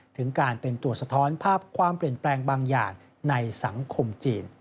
ถึงการเป็นตัวสะท้อนภาพความเปลี่ยนแปลงบางอย่างในสังคมจีน